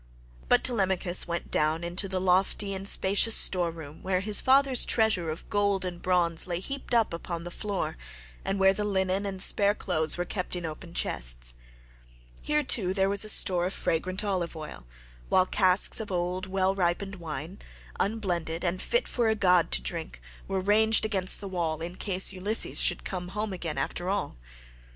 But Telemachus went down into the lofty and spacious store room where his father's treasure of gold and bronze lay heaped up upon the floor, and where the linen and spare clothes were kept in open chests. Here, too, there was a store of fragrant olive oil, while casks of old, well ripened wine, unblended and fit for a god to drink, were ranged against the wall in case Ulysses should come home again after all.